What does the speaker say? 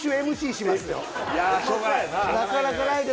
しょうがないな。